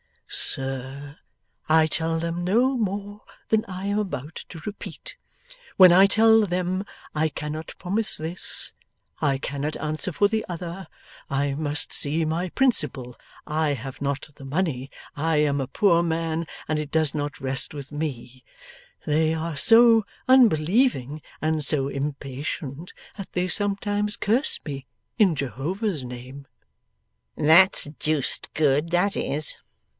'Sir, I tell them no more than I am about to repeat. When I tell them, "I cannot promise this, I cannot answer for the other, I must see my principal, I have not the money, I am a poor man and it does not rest with me," they are so unbelieving and so impatient, that they sometimes curse me in Jehovah's name.' 'That's deuced good, that is!